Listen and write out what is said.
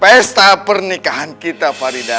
pesta pernikahan kita farida